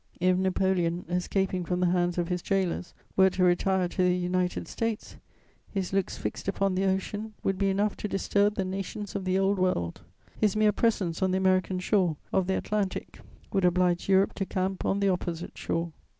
If Napoleon, escaping from the hands of his gaolers, were to retire to the United States, his looks fixed upon the Ocean would be enough to disturb the nations of the Old World; his mere presence on the American shore of the Atlantic would oblige Europe to camp on the opposite shore."